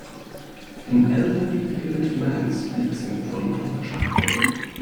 An elderly bearded man speaks in front of a chalkboard.